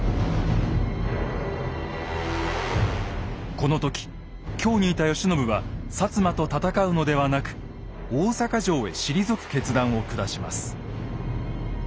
この時京にいた慶喜は摩と戦うのではなく大坂城へ退く決断を下します。